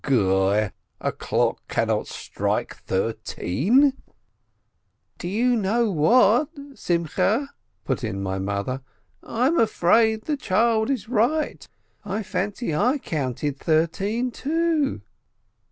Goi, a clock cannot strike thirteen !" "Do you know what, Simcheh," put in my mother, "I am afraid the child is right, I fancy I counted thirteen, too."